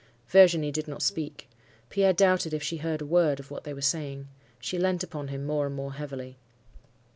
"Virginie did not speak. Pierre doubted if she heard a word of what they were saying. She leant upon him more and more heavily.